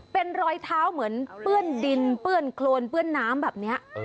เป็นรอยเท้าเหมือนเปื้อนดินเปื้อนโครนเปื้อนน้ำแบบนี้